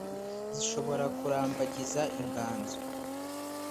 zishobora kurambagiza inganzo